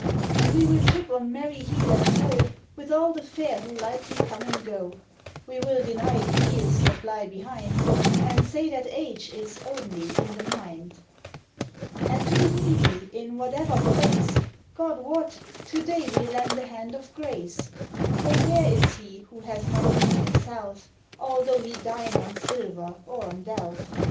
And we will trip on merry heel and toe With all the fair who lightly come and go; We will deny the years that lie behind And say that age is only in the mind. And to the needy, in whatever place, God wot! to day we'll lend a hand of grace; For where is he who hath not need himself, Although he dine on silver or on delf?